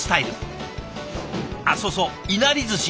あっそうそういなりずし。